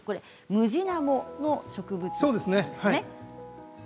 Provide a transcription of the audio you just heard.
ムジナモの植物図ですね。